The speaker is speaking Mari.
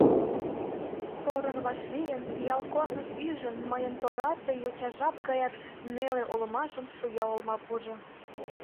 Порын вашлийын, пиал корныш ӱжын, мыйын торасе йоча жап гаяк неле олмажым шуя олмапужо.